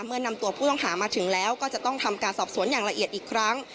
เมื่อนำตัวผู้ต้องหามาถึงแล้วก็จะต้องทำการสอบสวนอย่างละเอียดอีกครั้ง